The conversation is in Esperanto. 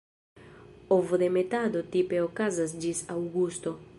Ovodemetado tipe okazas ĝis aŭgusto.